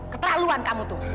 keterlaluan kamu tuh